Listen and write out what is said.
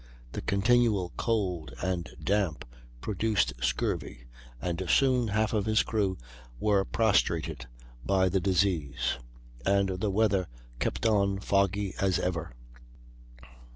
The continual cold and damp produced scurvy, and soon half of his crew were prostrated by the disease; and the weather kept on foggy as ever.